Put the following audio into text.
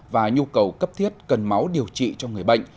và nhu cầu cấp thiết cần máu điều trị cho người bệnh